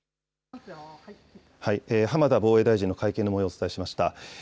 浜田防衛大臣の会見のもようをお伝えしました。